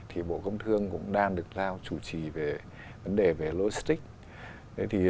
thì bộ công thương cũng đang được giao chủ trì về vấn đề về lối stick